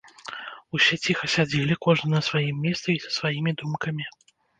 Усе ціха сядзелі, кожны на сваім месцы і са сваімі думкамі.